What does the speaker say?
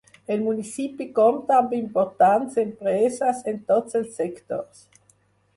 El municipi compta amb importants empreses en tots els sectors.